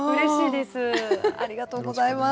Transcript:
ありがとうございます。